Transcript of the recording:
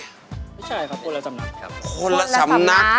ไม่ใช่ครับคนละสำนัก